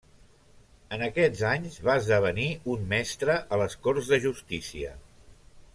En aquests anys va esdevenir un mestre a les corts de justícia.